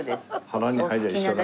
腹に入れば一緒だ。